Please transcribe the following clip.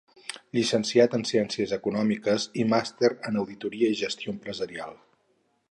Llicenciat en ciències econòmiques i màster en auditoria i gestió empresarial.